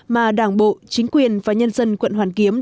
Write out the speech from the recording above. mà đảng bộ chính quyền và nhân dân quận hoàn kiếm